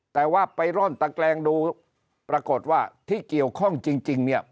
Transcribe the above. แต่ว่าไปร่อนตะแกลงดูปรากฏว่าที่เกี่ยวข้องจริงเนี่ย